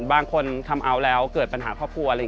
บางคนคัมอัลแล้วเกิดปัญหาครอบครัว